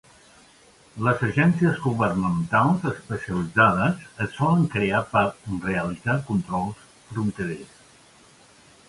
Les agències governamentals especialitzades es solen crear per realitzar controls fronterers.